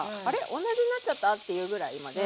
同じになっちゃった」っていうぐらいまで。